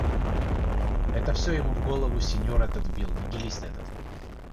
Это все ему в голову синьор этот вбил, нигилист этот.